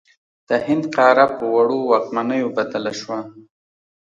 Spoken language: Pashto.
د هند قاره په وړو واکمنیو بدله شوه.